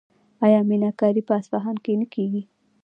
آیا میناکاري په اصفهان کې نه کیږي؟